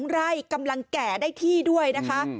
ไร่กำลังแก่ได้ที่ด้วยนะคะ